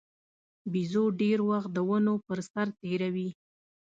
بیزو ډېر وخت د ونو پر سر تېروي.